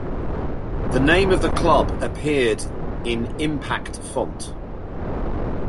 The name of the club appeared in Impact font.